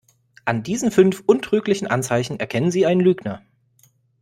An diesen fünf untrüglichen Anzeichen erkennen Sie einen Lügner.